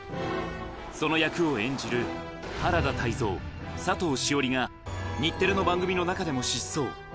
その役を演じる原田泰造、佐藤栞里が日テレの番組の中でも失踪。